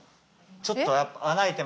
ちょっと。